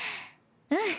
うん。